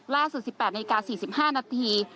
ล่าสุด๑๘นาที๔๕นาที